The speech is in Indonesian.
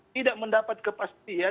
tidak mendapat kepastian